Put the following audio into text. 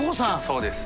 そうです。